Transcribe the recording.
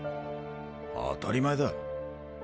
当たり前だ。